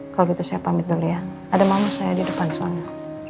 kalau gitu saya pamit dulu ya ada mama saya di depan sana